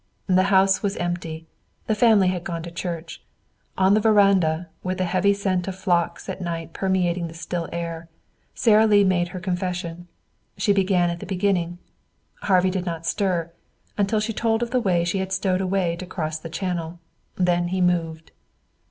The house was empty. The family had gone to church. On the veranda, with the heavy scent of phlox at night permeating the still air, Sara Lee made her confession. She began at the beginning. Harvey did not stir until she told of the way she had stowed away to cross the channel. Then he moved.